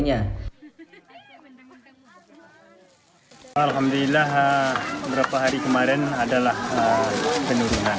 alhamdulillah beberapa hari kemarin adalah penurunan